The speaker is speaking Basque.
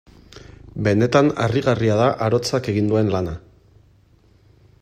Benetan harrigarria da arotzak egin duen lana.